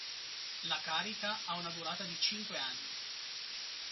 La carica ha una durata di cinque anni.